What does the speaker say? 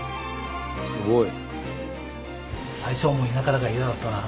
すごい。